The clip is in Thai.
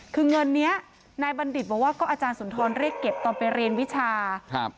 คือเงินเนี้ยนายบัณฑิตบอกว่าก็อาจารย์สุนทรเรียกเก็บตอนไปเรียนวิชาครับ